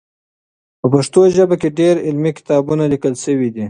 په پښتو ژبه کې ډېر علمي کتابونه لیکل سوي دي.